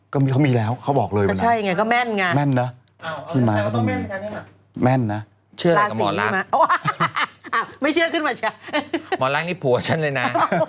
ก็มีเขามีแล้วเขาบอกเลยว่านะ